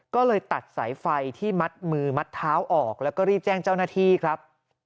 ก็เลยตัดสายไฟที่มัดมือมัดเท้าออกแล้วก็รีบแจ้งเจ้าหน้าที่ครับ